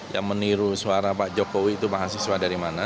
yang meniru suara pak jokowi itu mahasiswa dari mana